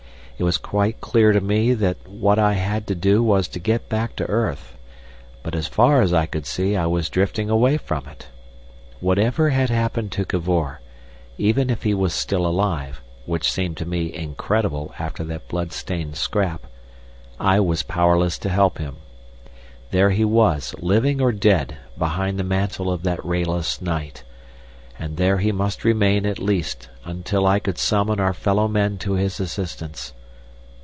It was quite clear to me that what I had to do was to get back to earth, but as far as I could see I was drifting away from it. Whatever had happened to Cavor, even if he was still alive, which seemed to me incredible after that blood stained scrap, I was powerless to help him. There he was, living or dead behind the mantle of that rayless night, and there he must remain at least until I could summon our fellow men to his assistance.